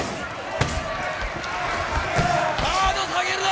ガード下げるな！